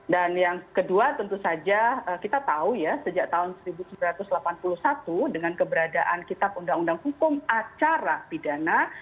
dan yang kedua tentu saja kita tahu ya sejak tahun seribu sembilan ratus delapan puluh satu dengan keberadaan kitab undang undang hukum acara pidana